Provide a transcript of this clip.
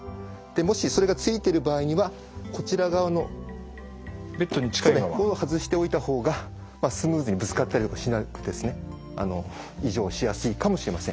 もしそれがついてる場合にはこちら側のここを外しておいた方がスムーズにぶつかったりとかしなくて移乗しやすいかもしれません。